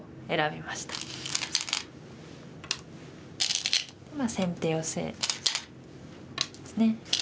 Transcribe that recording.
まあ先手ヨセですね。